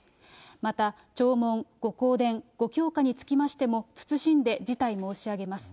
また、弔問、ご香典、ご供花につきましても、謹んで辞退申し上げます。